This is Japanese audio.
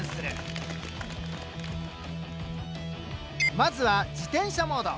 まずは自転車モード。